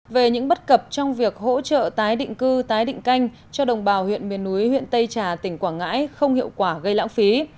về những bất cập trong việc hỗ trợ tái định cư tái định canh cho đồng bào huyện miền núi huyện tây trà tỉnh quảng ngãi không hiệu quả gây lãng phí